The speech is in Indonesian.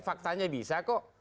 faktanya bisa kok